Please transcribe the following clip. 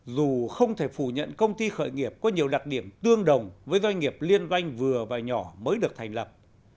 dù không thể phủ nhận công ty khởi nghiệp có nhiều đặc điểm tương đồng với doanh nghiệp liên doanh vừa và nhỏ mới được thành lập